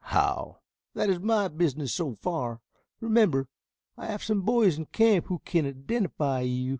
"How?" "That is my business so far. Remember I have some boys in camp who can identify you.